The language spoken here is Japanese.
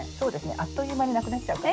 あっという間になくなっちゃうかも。